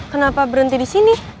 kenapa berhenti disini